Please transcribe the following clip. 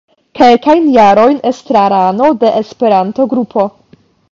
Kelkajn jarojn estrarano de Esperanto-Grupo.